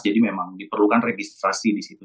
jadi memang diperlukan registrasi di situ